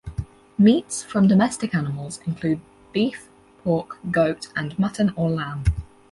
Meats from domestic animals include beef, pork, goat and mutton or lamb.